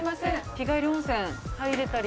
日帰り温泉入れたり。